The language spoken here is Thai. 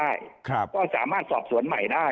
การการทำความผิดได้ก็สามารถสอบสวนใหม่ได้